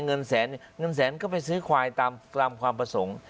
เงินแสนก็ไปซื้อขวายตามความประสงค์